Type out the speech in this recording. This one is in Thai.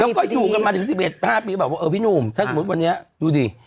แล้วก็อยู่กันมาถึง๑๑๕ปีก็แบบว่าเออพี่หนุ่มถ้าสมมุติวันนี้ดูดิ